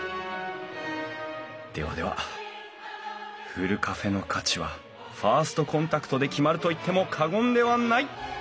ではではふるカフェの価値はファーストコンタクトで決まると言っても過言ではない！